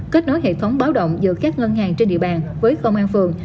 kết nối hệ thống báo động giữa các ngân hàng trên địa bàn với công an phường